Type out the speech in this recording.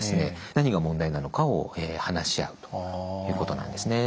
何が問題なのかを話し合うということなんですね。